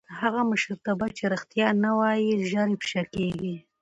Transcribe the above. هغه مشرتابه چې رښتیا نه وايي ژر افشا کېږي